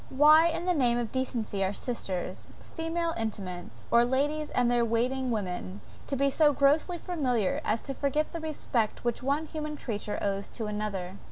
Why in the name of decency are sisters, female intimates, or ladies and their waiting women, to be so grossly familiar as to forget the respect which one human creature owes to another?